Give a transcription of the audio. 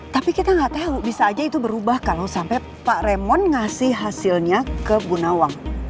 tapi kita nggak tahu bisa aja itu berubah kalau sampai pak remon ngasih hasilnya ke bunawang